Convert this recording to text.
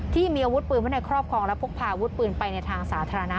ที่มีอาวุธปืนไว้ในครอบครองและพกพาอาวุธปืนไปในทางสาธารณะ